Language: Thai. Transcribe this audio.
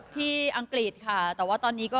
อังกฤษค่ะแต่ว่าตอนนี้ก็